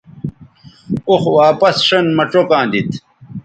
اوخ واپس سین مہ چوکاں دیتھ